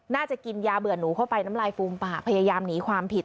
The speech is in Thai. น่าจะกินยาเบื่อหนูเข้าไปน้ำลายฟูมปากพยายามหนีความผิด